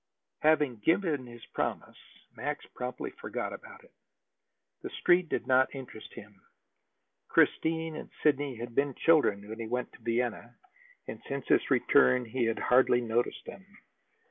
Having given his promise, Max promptly forgot about it. The Street did not interest him. Christine and Sidney had been children when he went to Vienna, and since his return he had hardly noticed them.